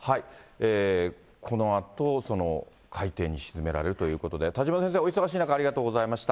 このあと、海底に沈められるということで、田島先生、お忙しい中ありがとうございました。